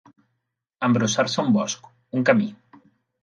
Embrossar-se un bosc, un camí.